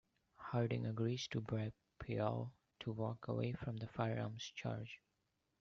Harding agrees to bribe Pyall to walk away from the firearms charge.